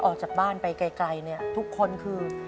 ออกจากบ้านไปไกลเนี่ยทุกคนคือ